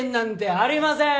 ありませーん。